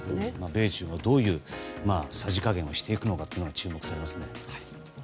米中もどういう匙加減をしていくのかが注目されますね。